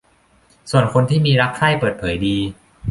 ส่วนที่มีคนรักใคร่เปิดเผยดี